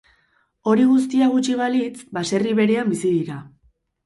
Hori guztia gutxi balitz, baserri berean bizi dira.